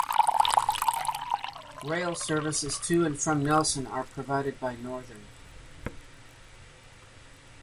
Rail services to and from Nelson are provided by Northern.